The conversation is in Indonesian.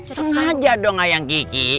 sengaja dong ayang kiki